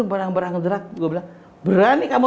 berang berang berani kamu